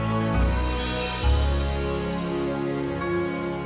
tapi apa yang terjadi